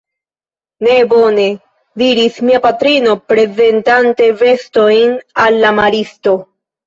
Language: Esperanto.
Nu bone! diris mia patrino, prezentante vestojn al la maristo.